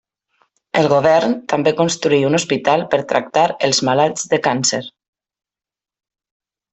El govern també construí un hospital per tractar els malalts de càncer.